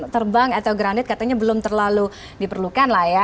terbang atau granded katanya belum terlalu diperlukan lah ya